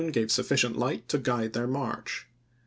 gave sufficient light to guide their march.